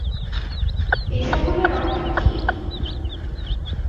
এ সকলের অর্থ কি?